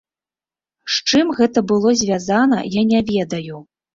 З чым гэта было звязана, я не ведаю.